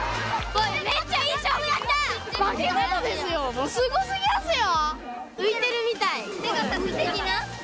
もうすごすぎますよ！